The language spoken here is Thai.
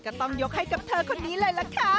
ก็ต้องยกให้กับเธอคนนี้เลยล่ะค่ะ